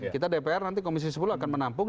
kita dpr nanti komisi sepuluh akan menampung